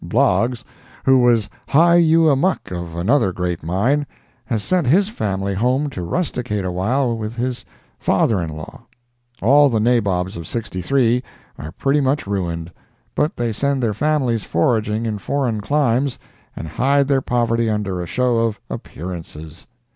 Bloggs, who was high you a muck of another great mine, has sent his family home to rusticate a while with his father in law. All the nabobs of '63 are pretty much ruined, but they send their families foraging in foreign climes, and hide their poverty under a show of "appearances."